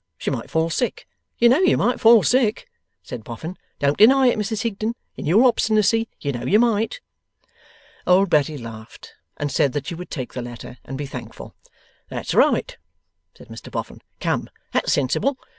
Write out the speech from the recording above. She might fall sick. You know you might fall sick,' said Mr Boffin. 'Don't deny it, Mrs Higden, in your obstinacy; you know you might.' Old Betty laughed, and said that she would take the letter and be thankful. 'That's right!' said Mr Boffin. 'Come! That's sensible.